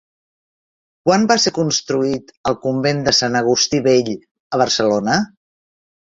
Quan va ser construït el Convent de Sant Agustí Vell a Barcelona?